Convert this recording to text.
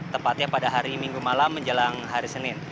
tepatnya pada hari minggu malam menjelang hari senin